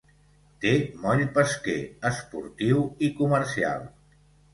Té moll pesquer, esportiu i comercial.